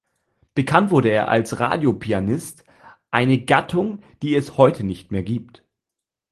Bekannt wurde er als „Radio-Pianist“, eine Gattung, die es heute nicht mehr gibt.